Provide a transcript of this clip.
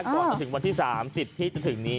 ก่อนจะถึงวันที่๓๐ที่จะถึงนี้